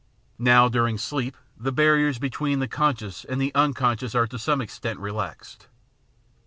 Now during sleep the bar riers between the conscious and the unconscious are to some ex tent relaxed.